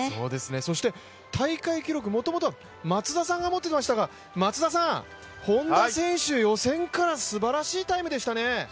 そして、大会記録もともとは松田さんが持ってましたが松田さん、本多選手、予選からすばらしいタイムでしたね。